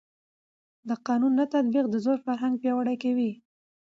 د قانون نه تطبیق د زور فرهنګ پیاوړی کوي